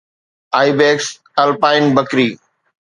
Ibex alpine Bakhri